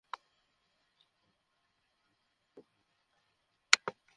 জাহিদুল ইসলাম সকালে মহানগর হাকিম আনোয়ার ছাদাতের আদালতে আত্মসমর্পণ করে জামিনের আবেদন করেন।